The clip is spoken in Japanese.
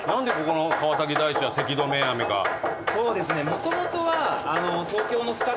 もともとは。